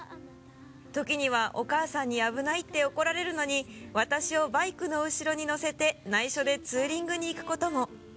「時にはお母さんに危ないって怒られるのに私をバイクの後ろに乗せて内緒でツーリングに行くことも」